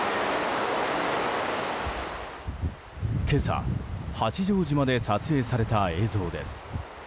今朝、八丈島で撮影された映像です。